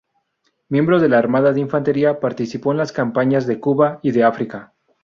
Miembro del arma de Infantería, participó en las campañas de Cuba y de África.